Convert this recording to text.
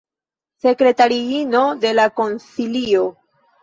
Sekretariino de la konsilio.